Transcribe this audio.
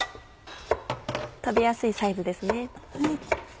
食べやすいサイズですね。